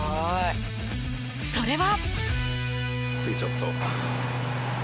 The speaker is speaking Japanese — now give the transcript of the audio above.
それは。